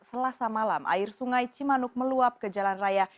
selasa malam air sungai cimanuk meluap ke jalan raya